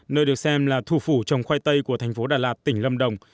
nơi được xem là thủ phủ trồng khoai tây của thành phố đà lạt tỉnh lâm đồng